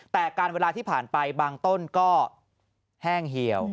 แต่การเวลาที่ผ่านไปบางต้นก็แห้งเหี่ยว